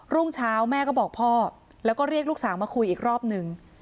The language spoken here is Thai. รุ่งเช้าแม่ก็บอกพ่อแล้วก็เรียกลูกสาวมาคุยอีกรอบหนึ่ง